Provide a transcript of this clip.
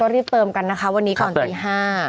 รีบเติมกันนะคะวันนี้ก่อนตี๕